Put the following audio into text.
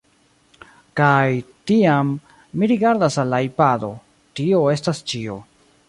Kaj, tiam, mi rigardas al la ipado: tio estas ĉio.